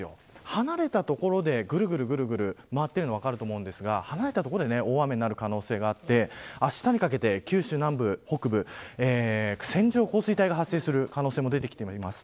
離れた所で、ぐるぐる回っているのが分かると思うんですが離れた所で大雨になる可能性があってあしたにかけて九州南部、北部線状降水帯が発生する可能性も出てきています。